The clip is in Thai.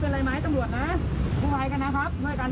เป็นอะไรมั้ยตำรวจน่ะกูภัยกันนะครับด้วยกันด้วยกัน